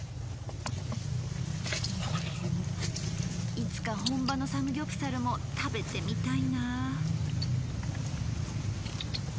いつか本場のサムギョプサルも食べてみたいなぁ。